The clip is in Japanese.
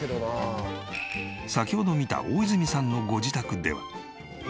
先ほど見た大泉さんのご自宅では。